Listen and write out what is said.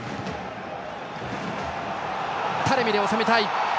タレミで収めたい。